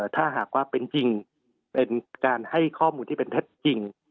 ถ้าหากว่าเป็นจริงเป็นการให้ข้อมูลที่เป็นเท็จจริง